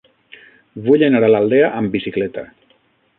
Vull anar a l'Aldea amb bicicleta.